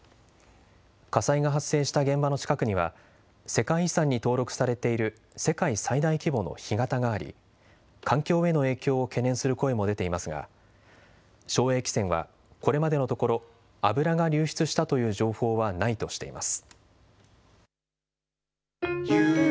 火災が発生した現場の近くには世界遺産に登録されている世界最大規模の干潟があり環境への影響を懸念する声も出ていますが正栄汽船は、これまでのところ油が流出したという情報はないとしています。